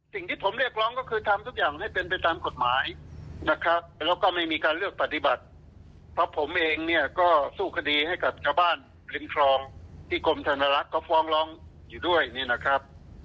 สิ่งที่ผมเรียกร้องก็คือทำทุกอย่างให้เป็นไปตามกฎหมายนะครับแล้วก็ไม่มีการเลือกปฏิบัติเพราะผมเองเนี่ยก็สู้คดีให้กับชาวบ้านริมคลองที่กรมธนลักษณ์เขาฟ้องร้องอยู่ด้วยเนี่ยนะครับ